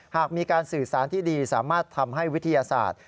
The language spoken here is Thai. หากมีการสื่อสารที่ดีสามารถทำให้วิทยาศาสตร์